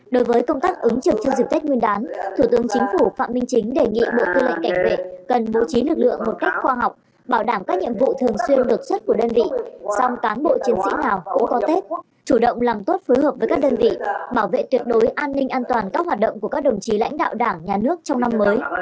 đối với công tác ứng trực trong dịp tết nguyên đán thủ tướng chính phủ phạm minh chính đề nghị bộ tư lệnh cảnh vệ cần bố trí lực lượng một cách khoa học bảo đảm các nhiệm vụ thường xuyên đột xuất của đơn vị song cán bộ chiến sĩ nào cũng có tết chủ động làm tốt phối hợp với các đơn vị bảo vệ tuyệt đối an ninh an toàn các hoạt động của các đồng chí lãnh đạo đảng nhà nước trong năm mới